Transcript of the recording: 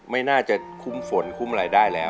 ไม่น่าจะคุ้มฝนคุ้มอะไรได้แล้ว